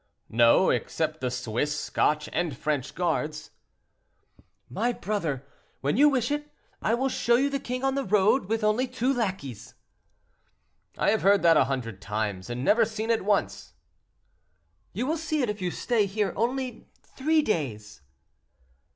"No; except the Swiss, Scotch, and French guards." "My brother, when you wish it, I will show you the king on the road with only two lackeys." "I have heard that a hundred times, and never seen it once." "You will see it if you stay here only three days."